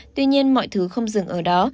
tuy nhiên mọi thứ không dừng ở đó